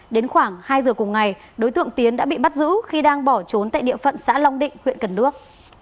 đến khoảng hai giờ cùng ngày đối tượng tiến đã bị bắt giữ khi đang bỏ trốn tại địa phận xã long định huyện cần đước